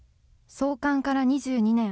創刊から２２年。